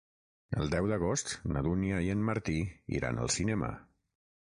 El deu d'agost na Dúnia i en Martí iran al cinema.